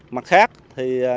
mặt khác các phương tiện